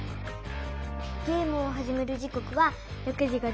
ゲームをはじめる時こくは６時５０分。